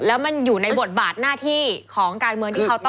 แล้วมันอยู่ในบทบาทหน้าที่ของการเมืองที่เขาต้อง